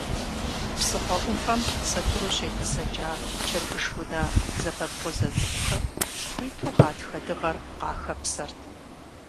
Псыхъуэ ӏуфэм сэтыру щетӏысэкӏа, чэрбыш унэ зэпэбгъузэ цӏыкӏухэм, хуиту гъатхэ дыгъэр къахэпсэрт.